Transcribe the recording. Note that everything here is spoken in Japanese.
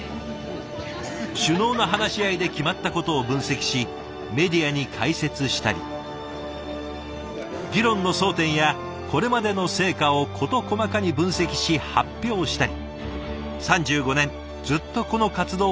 首脳の話し合いで決まったことを分析しメディアに解説したり議論の争点やこれまでの成果を事細かに分析し発表したり３５年ずっとこの活動を続けているそうです。